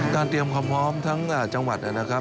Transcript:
เตรียมความพร้อมทั้งจังหวัดนะครับ